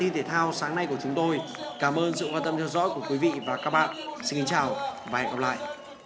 xin chào và hẹn gặp lại